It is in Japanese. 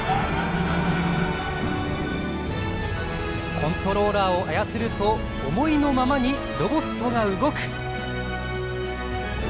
コントローラーを操ると思いのままにロボットが動く。